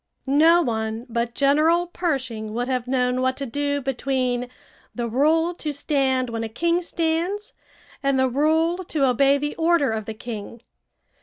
No one but General Pershing would have known what to do between the rule to stand when a king stands and the rule to obey the order of the king.